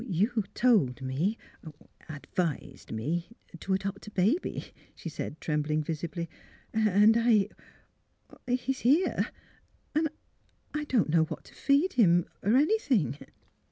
" You told me — advised me to adopt a baby," she said, trembling visibly. '^ And I — he's here, and I don't know what to feed him, or — or any thing.